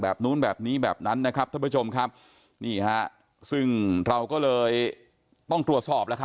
นู้นแบบนี้แบบนั้นนะครับท่านผู้ชมครับนี่ฮะซึ่งเราก็เลยต้องตรวจสอบแล้วครับ